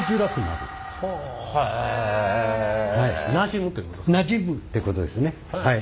なじむってことですね。